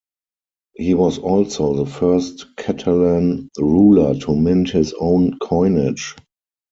He was also the first Catalan ruler to mint his own coinage.